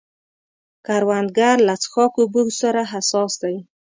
کروندګر له څښاک اوبو سره حساس دی